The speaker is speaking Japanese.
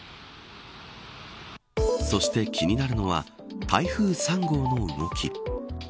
そして、気になるのは台風３号の動き。